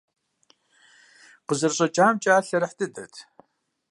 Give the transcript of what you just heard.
Къызэрыщӏэкӏамкӏэ, ар лъэрыхь дыдэт.